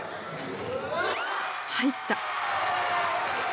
入った！